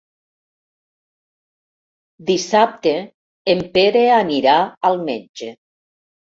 Dissabte en Pere anirà al metge.